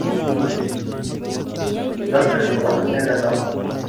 kikose kobunu inendet amut